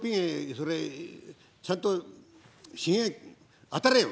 それちゃんと髭あたれよ！